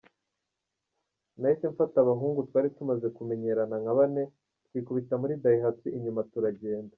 Nahise mfata abahungu twari tumaze kumenyerana nka bane, twikubita muri Daihatsu inyuma turagenda.